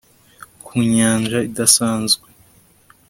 ku nyanja idasanzwe